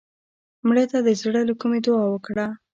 مړه ته د زړه له کومې دعا وکړه